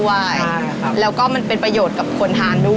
ใช่แล้วก็มันเป็นประโยชน์กับคนทานด้วย